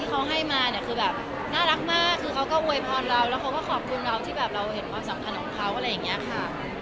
เขาให้มาเนี่ยคือแบบน่ารักมากคือเขาก็อวยพรเราแล้วเขาก็ขอบคุณเราที่แบบเราเห็นความสำคัญของเขาอะไรอย่างนี้ค่ะ